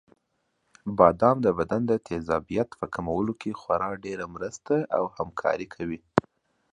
بادام د بدن د تېزابیت په کمولو کې خورا ډېره مرسته او همکاري کوي.